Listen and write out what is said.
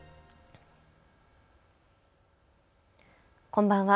こんばんは。